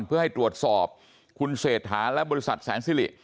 เพื่อให้ตรวจสอบคุณเศรษฐาและบริษัทแสนสิริ